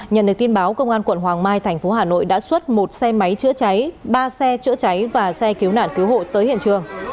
nhận được tin báo công an quận hoàng mai thành phố hà nội đã xuất một xe máy chữa cháy ba xe chữa cháy và xe cứu nạn cứu hộ tới hiện trường